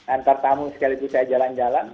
antar tamu sekali itu saya jalan jalan